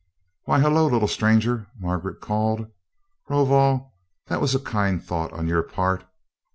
"Why, hello, little stranger!" Margaret called. "Rovol, that was a kind thought on your part.